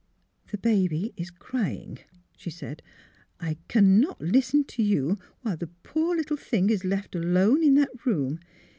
" The baby is crying," she said. '' I can not listen to you while the poor little thing is left alone in that room.